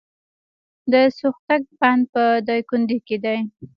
د سوختوک بند په دایکنډي کې دی